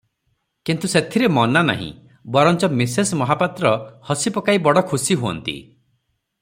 କିନ୍ତୁ ସେଥିରେ ମନା ନାହିଁ, ବରଞ୍ଚ ମିସେସ୍ ମହାପାତ୍ର ହସି ପକାଇ ବଡ଼ ଖୁସି ହୁଅନ୍ତି |